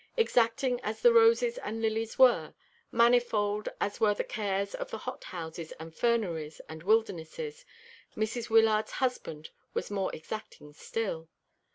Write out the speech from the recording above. Exacting as the roses and lilies were, manifold as were the cares of the hothouses and ferneries and wildernesses, Mrs. Wyllard's husband was more exacting still.